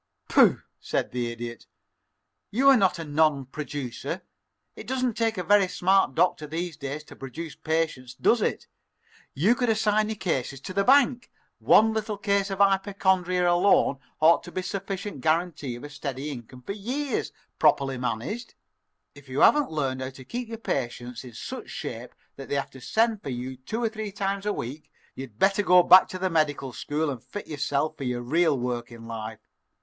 "Pooh!" said the Idiot. "You are not a non producer. It doesn't take a very smart doctor these days to produce patients, does it? You could assign your cases to the bank. One little case of hypochondria alone ought to be a sufficient guarantee of a steady income for years, properly managed. If you haven't learned how to keep your patients in such shape that they have to send for you two or three times a week, you'd better go back to the medical school and fit yourself for your real work in life.